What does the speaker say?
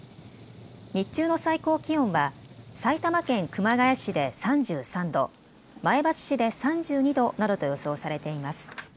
日中の最高気温は埼玉県熊谷市で３３度、前橋市で３２度などと予想されています。